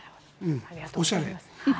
おしゃれ。